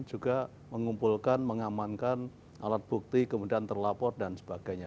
juga mengumpulkan mengamankan alat bukti kemudian terlapor dan sebagainya